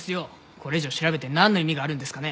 これ以上調べて何の意味があるんですかね。